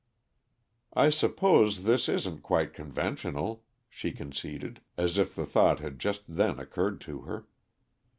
"I suppose this isn't quite conventional," she conceded, as if the thought had just then occurred to her.